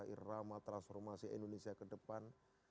irama transformasi indonesia ke depan